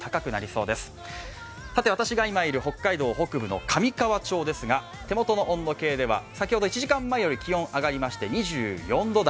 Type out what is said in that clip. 私のいるところは北海道北部の上川町ですが、手元の温度計では先ほど１時間前より気温が上がりまして２４度台。